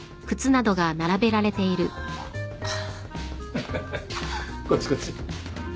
ハハハこっちこっち。